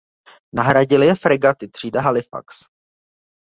Nahradily je fregaty třída "Halifax".